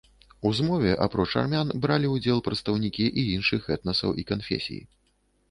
У змове апроч армян бралі ўдзел прадстаўнікі і іншых этнасаў і канфесій.